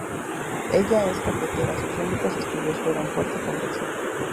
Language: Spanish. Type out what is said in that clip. Ella es cafetera, sus únicos estudios fueron corte y confección.